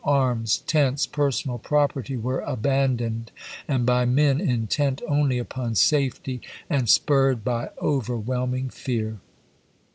Arms, tents, personal property were abandoned, and by men intent only upon safety and spurred by overwhelming fear.